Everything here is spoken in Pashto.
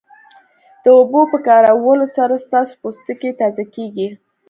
د اوبو په کارولو سره ستاسو پوستکی تازه کیږي